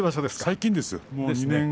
最近ですね。